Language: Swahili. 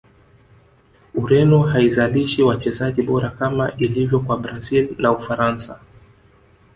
Ureno haizalishi wachezaji bora kama ilivyo kwa brazil na ufaransa